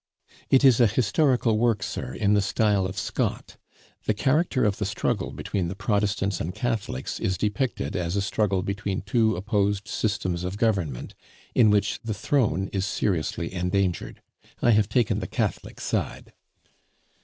"It is a historical work, sir, in the style of Scott. The character of the struggle between the Protestants and Catholics is depicted as a struggle between two opposed systems of government, in which the throne is seriously endangered. I have taken the Catholic side."